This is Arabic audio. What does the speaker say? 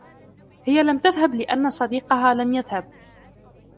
هي لَمْ تذهبْ لأن صديقها لم يذهبْ